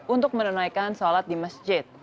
untuk menunaikan sholat di masjid